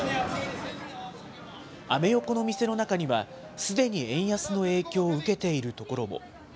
アメ横の店の中には、すでに円安の影響を受けている所も。